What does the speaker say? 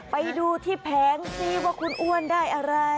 ไปดูที่แผงซิว่าคุณอ้วนได้อะไร